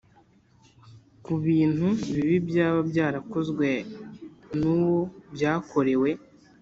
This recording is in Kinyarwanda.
Ku bintu bibi byaba byarakozwe n uwo byakorewe